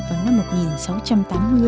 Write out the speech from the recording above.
vào năm một nghìn sáu trăm tám mươi